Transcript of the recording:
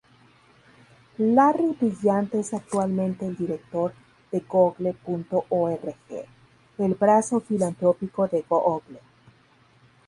Larry Brilliant es actualmente el director de Google.org, el brazo filantrópico de Google.